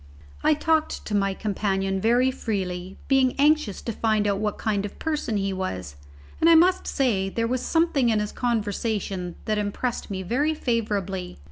I talked to my companion very freely, being anxious to find out what kind of person he was, and I must say that there was something in his conversation that impressed me very favourably.